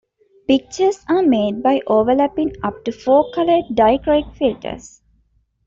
Pictures are made by overlapping up to four colored dichroic filters.